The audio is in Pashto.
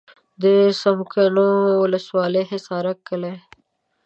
د څمکنیو ولسوالي حصارک کلی.